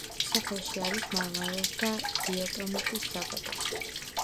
სოფელში არის მარმარილოს და დიატომიტის საბადო.